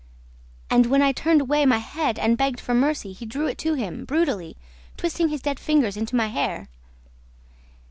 And, when I turned away my head and begged for mercy, he drew it to him, brutally, twisting his dead fingers into my hair."